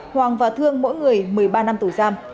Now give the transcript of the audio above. hoàng và thương mỗi người một mươi ba năm tù giam